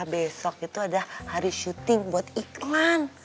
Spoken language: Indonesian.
besok itu ada hari syuting buat iklan